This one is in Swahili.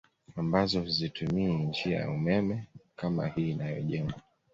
Ambazo hazitumii njia ya umeme kama hii inayojengwa